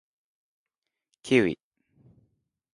キウイ